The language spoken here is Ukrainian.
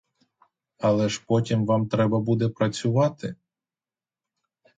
Але ж потім вам треба буде працювати?